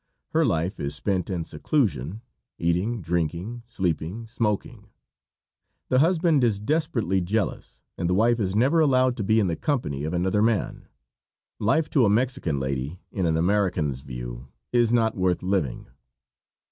Her life is spent in seclusion eating, drinking, sleeping, smoking. The husband is desperately jealous and the wife is never allowed to be in the company of another man. Life to a Mexican lady in an American's view is not worth living.